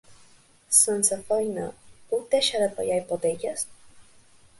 Sense feina, puc deixar de pagar hipoteques?